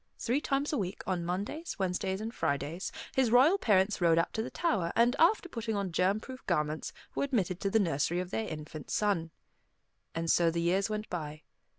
Three times a week, on Mondays, Wednesdays, and Fridays, his royal parents rode out to the tower, and after putting on germ proof garments, were admitted to the nursery of their infant son. And so the years went by.